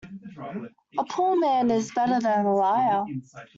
A poor man is better than a liar.